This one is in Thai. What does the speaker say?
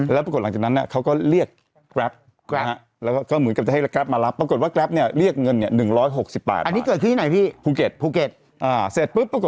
แล้วปรากฏหลังจากนั้นเนี่ยเขาก็เรียก